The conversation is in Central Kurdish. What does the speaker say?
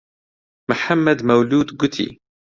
محەممەد مەولوود گوتی: